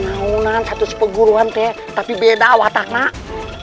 kenaunan satu seperguruanku tapi beda pak yusuf